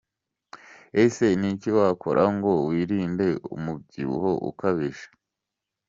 Ese ni iki wakora ngo wirinde umubyibuho ukabije?.